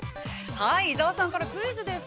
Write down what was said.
◆伊沢さんからクイズです。